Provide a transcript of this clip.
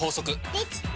できた！